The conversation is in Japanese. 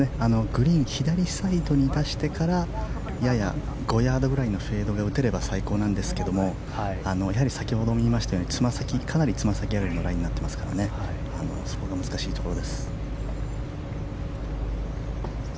グリーン左サイドに出してからやや５ヤードぐらいのフェードで打てれば最高なんですけどやはり先ほども言いましたようにかなりつま先上がりのライになっていますからそこが難しいところです。